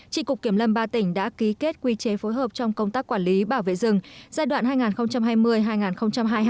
trị cục kiểm lâm ba tỉnh đã ký kết quy chế phối hợp trong công tác quản lý bảo vệ rừng giai đoạn hai nghìn hai mươi hai nghìn hai mươi hai